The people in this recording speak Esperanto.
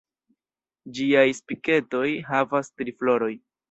Ĝiaj Spiketoj havas tri floroj.